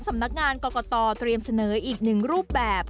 สำนักงานกรกตเตรียมเสนออีกหนึ่งรูปแบบ